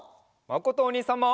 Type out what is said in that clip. まことおにいさんも！